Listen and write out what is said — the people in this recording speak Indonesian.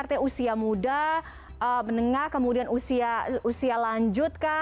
artinya usia muda menengah kemudian usia lanjut kah